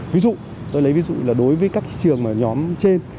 ví dụ tôi lấy ví dụ là đối với các trường nhóm trên